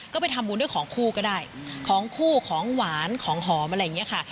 ก็ไปทำบุญด้วยของคู่ก็ได้ของคู่ของหวานของหอมอะไรอย่างนี้ค่ะ